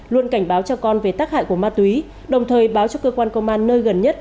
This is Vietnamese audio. luôn cảnh báo cho con về tác hại của ma túy đồng thời báo cho cơ quan công an nơi gần nhất